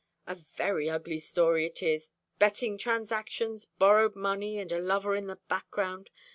A very ugly story it is betting transactions, borrowed money, and a lover in the background.